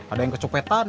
ada yang kecupetan